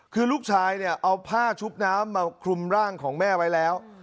คือลูกชายเนี่ยเอาผ้าชุบน้ำมาคลุมร่างของแม่ไว้แล้ว